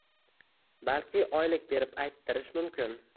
Balki oylik berib ayttirish mumkin.